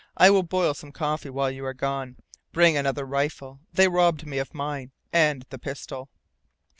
I will boil some coffee while you are gone. Bring another rifle. They robbed me of mine, and the pistol."